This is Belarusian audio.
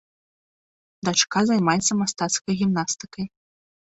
Дачка займаецца мастацкай гімнастыкай.